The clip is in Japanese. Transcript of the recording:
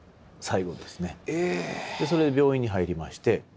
それで病院に入りまして。